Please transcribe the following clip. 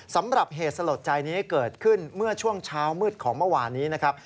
สำหรับเหตุสลดใจนี้เกิดขึ้นเมื่อช่วงเช้ามืดของเมื่อวานนี้นะครับ